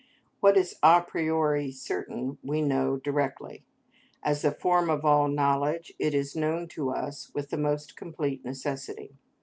What is a priori certain we know directly; as the form of all knowledge, it is known to us with the most complete necessity.